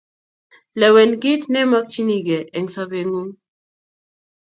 Lewen kit neimokchinikei eng' sobeng'ung'.